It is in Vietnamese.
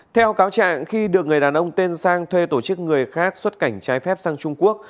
theo cáo trạng khi được người đàn ông tên sang thuê tổ chức người khác xuất cảnh trái phép sang trung quốc